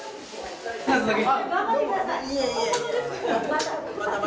頑張ってください。